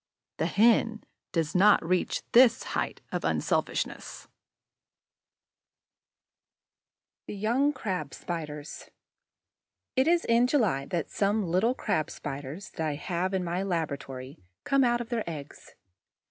The Hen does not reach this height of unselfishness! THE YOUNG CRAB SPIDERS It is in July that some little Crab spiders that I have in my laboratory come out of their eggs.